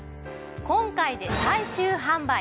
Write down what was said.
今回で最終販売。